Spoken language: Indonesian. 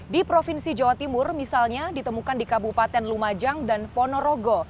di provinsi jawa timur misalnya ditemukan di kabupaten lumajang dan ponorogo